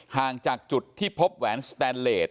ห่างจากจุดที่พบแหวนสแตนเลส